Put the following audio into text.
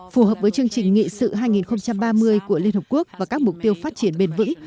phù hợp với chương trình nghị sự hai nghìn ba mươi của liên hợp quốc và các mục tiêu phát triển bền vững